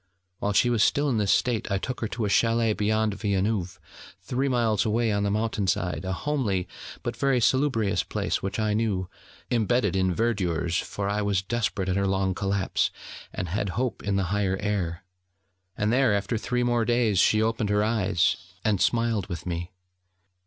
While she was still in this state I took her to a chalet beyond Villeneuve, three miles away on the mountain side, a homely, but very salubrious place which I knew, imbedded in verdures, for I was desperate at her long collapse, and had hope in the higher air. And there after three more days, she opened her eyes, and smiled with me.